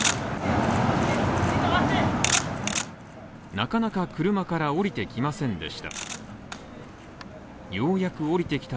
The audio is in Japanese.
なかなか車から降りてきませんでした。